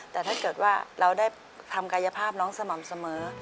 แต่ถ้าเกิดว่าเราได้ทำกายภาพน้องสม่ำเสมอ